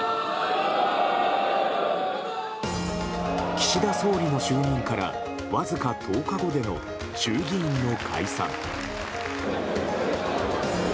岸田総理の就任からわずか１０日後での衆議院の解散。